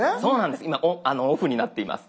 今オフになっています。